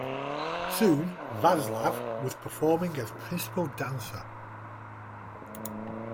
Soon Vaslav was performing as principal dancer.